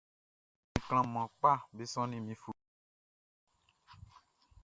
Desɛn klanhan kpaʼm be sɔnnin min fluwaʼn nun.